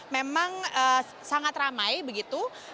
memang sangat ramai begitu